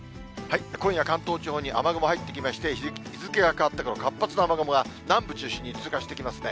今夜、関東地方に雨雲入ってきまして、日付が変わって、活発な雨雲が南部中心に通過してきますね。